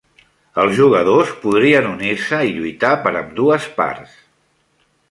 Els jugadors podrien unir-se i lluitar per ambdues parts.